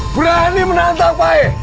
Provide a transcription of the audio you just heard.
berani menantang pak